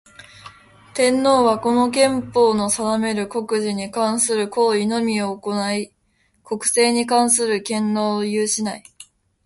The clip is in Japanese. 天皇は、この憲法の定める国事に関する行為のみを行ひ、国政に関する権能を有しない。